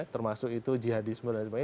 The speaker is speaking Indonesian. termasuk itu jihadisme dan sebagainya